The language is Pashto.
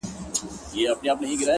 • ته خو له هري ښيښې وځې و ښيښې ته ورځې،